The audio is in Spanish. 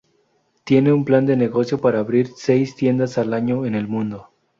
Tienen un plan de negocio para abrir seis tiendas al año en el mundo.